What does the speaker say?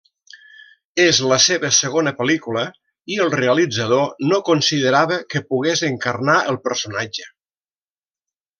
És la seva segona pel·lícula i el realitzador no considerava que pogués encarnar el personatge.